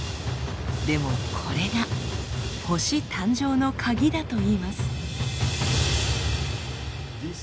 でもこれが星誕生のカギだといいます。